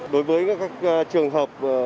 đối với các trường hợp